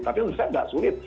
tapi yang selesai tidak sulit